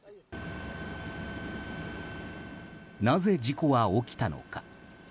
なぜ、事故は起きたのか。